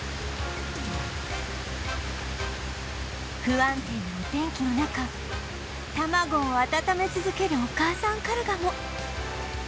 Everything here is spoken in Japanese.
不安定なお天気の中卵を温め続けるお母さんカルガモ